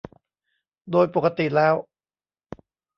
โดยปกติแล้ว